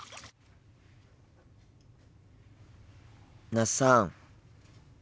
那須さん。